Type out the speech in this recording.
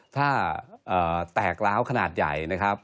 ถ้าแตกร้าวขนาดใหญ่นะครับ